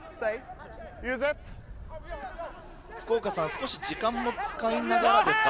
少し時間も使いながらですか？